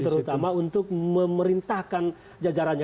terutama untuk memerintahkan jajarannya